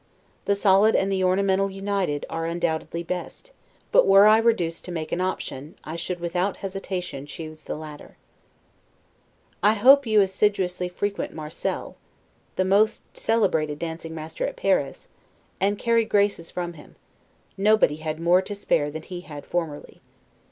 The solid and the ornamental united, are undoubtedly best; but were I reduced to make an option, I should without hesitation choose the latter. I hope you assiduously frequent Marcell [At that time the most celebrated dancing master at Paris.] and carry graces from him; nobody had more to spare than he had formerly.